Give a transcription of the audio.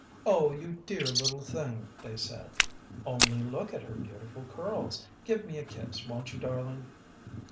"Oh, you dear little thing," they said. "Only look at her beautiful curls. Give me a kiss, won't you, darling?"